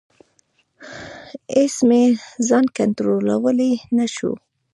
اېڅ مې ځان کنټرولولی نشو.